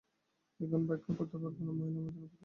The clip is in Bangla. এখন ব্যাখ্যা করতে পারব না, মহিলা আমার জন্য অপেক্ষা করছে।